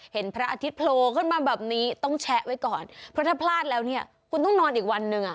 พระอาทิตย์โผล่ขึ้นมาแบบนี้ต้องแชะไว้ก่อนเพราะถ้าพลาดแล้วเนี่ยคุณต้องนอนอีกวันหนึ่งอ่ะ